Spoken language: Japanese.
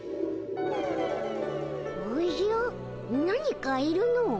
何かいるの。